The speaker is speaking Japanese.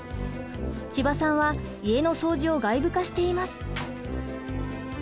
千葉さんは家の掃除を外部化しています。